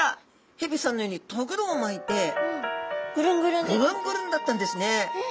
ヘビさんのようにとぐろを巻いてぐるんぐるんだったんですね。